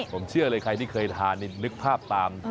ผมเชื่อเลยใครที่เคยทานนี่นึกภาพตาม